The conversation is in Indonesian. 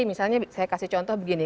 misalnya saya kasih contoh begini